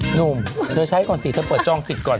หนุ่มเธอใช้ก่อนสิเธอเปิดจองสิทธิ์ก่อน